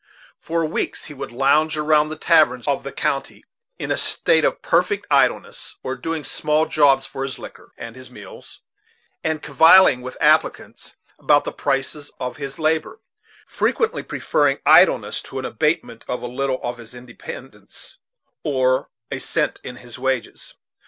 For weeks he would lounge around the taverns of the county, in a state of perfect idleness, or doing small jobs for his liquor and his meals, and cavilling with applicants about the prices of his labor; frequently preferring idleness to an abatement of a little of his independence, or a cent in his wages.